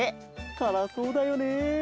からそうだよね。